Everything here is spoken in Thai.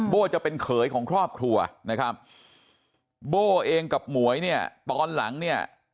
จะเป็นเขยของครอบครัวนะครับโบ้เองกับหมวยเนี่ยตอนหลังเนี่ย